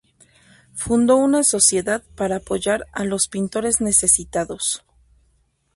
Fundó una sociedad para apoyar a los pintores necesitados.